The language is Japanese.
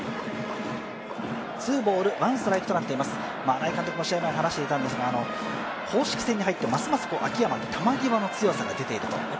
新井監督も試合前話していたんですが、公式戦に入ってますます秋山、球際の強さが出ていると。